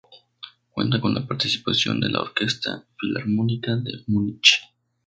Cuenta con la participación de la Orquesta Filarmónica de Múnich.